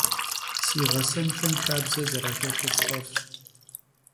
Si ğesenxem xabze zeraxelhır sf'ef'ş.